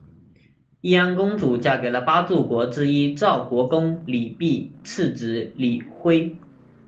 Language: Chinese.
义安公主嫁给了八柱国之一赵国公李弼次子李晖。